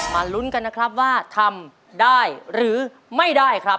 ลุ้นกันนะครับว่าทำได้หรือไม่ได้ครับ